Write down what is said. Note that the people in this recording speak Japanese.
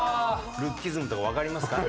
ルッキズムとかわかりますか？